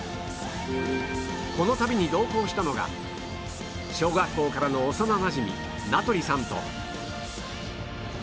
この旅に同行したのが小学校からの幼なじみ名執さんと